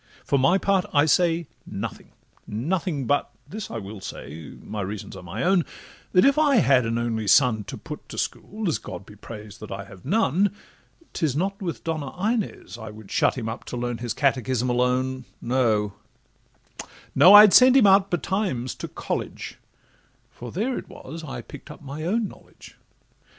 For my part I say nothing—nothing—but This I will say—my reasons are my own— That if I had an only son to put To school (as God be praised that I have none), 'Tis not with Donna Inez I would shut Him up to learn his catechism alone, No—no—I'd send him out betimes to college, For there it was I pick'd up my own knowledge.